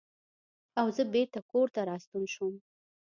او زۀ بېرته کورته راستون شوم ـ